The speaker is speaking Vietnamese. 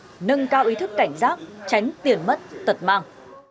phòng ngừa nâng cao ý thức cảnh giác tránh tiền mất tật mang